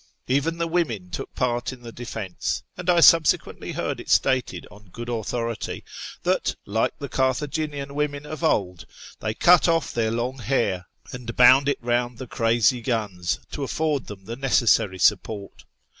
Even the women took part in the defence, and I subsequently heard it stated on good authority that, like the Carthaginian women of old, they cut off their long hair, and bound it round the crazy guns to afford them the necessary support.